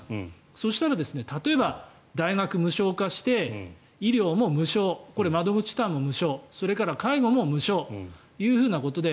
そうしたら例えば大学無償化して医療も無償、窓口負担も無償それから介護も無償ということで